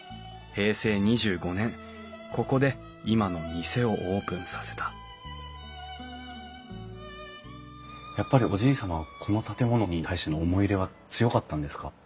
平成２５年ここで今の店をオープンさせたやっぱりおじい様はこの建物に対しての思い入れは強かったんですか？